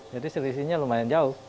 jadi selisihnya lumayan jauh